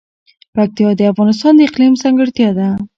پکتیا د افغانستان د اقلیم ځانګړتیا ده.